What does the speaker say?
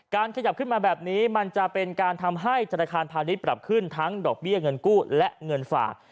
ขยับขึ้นมาแบบนี้มันจะเป็นการทำให้ธนาคารพาณิชย์ปรับขึ้นทั้งดอกเบี้ยเงินกู้และเงินฝาก